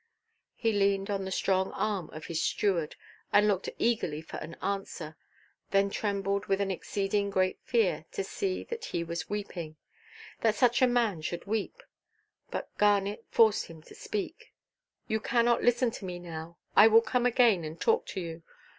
He leaned on the strong arm of his steward, and looked eagerly for his answer; then trembled with an exceeding great fear, to see that he was weeping. That such a man should weep! But Garnet forced himself to speak. "You cannot listen to me now; I will come again, and talk to you.